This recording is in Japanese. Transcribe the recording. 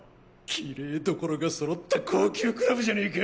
きれいどころが揃った高級クラブじゃねか。